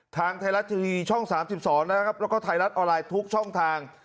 ทางไทยรัฐทีวีช่อง๓๒นะครับแล้วก็ไทยรัฐออนไลน์ทุกช่องทาง